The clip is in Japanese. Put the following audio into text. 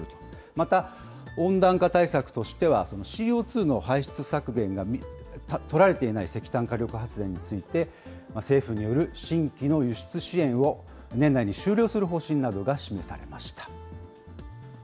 また温暖化対策としては、ＣＯ２の排出削減が取られていない石炭火力発電について、政府による新規の輸出支援を年内に終了する方針などが示されました。